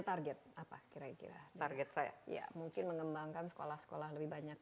target apa kira kira target saya ya mungkin mengembangkan sekolah sekolah lebih banyak